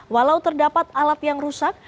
walau terdapat alat yang rusak